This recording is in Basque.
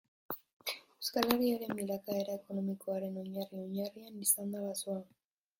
Euskal Herriaren bilakaera ekonomikoaren oinarri-oinarrian izan da basoa.